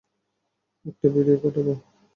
একটা ভিডিও পাঠাব।